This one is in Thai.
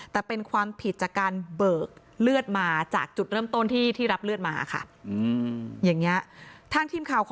แต่เป็นความผิดจากการเบิกเลือดมาจากจุดเริ่มต้นที่รับเลือดมาค่ะ